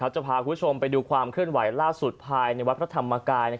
จะพาคุณผู้ชมไปดูความเคลื่อนไหวล่าสุดภายในวัดพระธรรมกาย